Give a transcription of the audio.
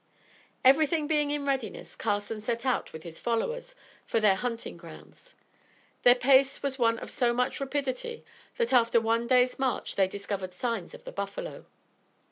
Everything being in readiness, Carson set out with his followers for their hunting grounds. Their pace was one of so much rapidity, that after one day's march they discovered signs of the buffalo.